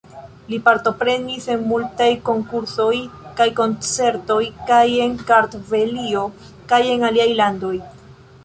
Li partoprenis en multaj konkursoj kaj koncertoj kaj en Kartvelio kaj en aliaj landoj.